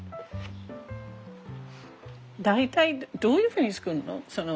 大体どういうふうに作るの？